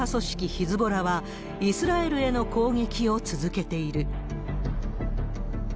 ヒズボラは、イスラエルへの攻撃を続けている。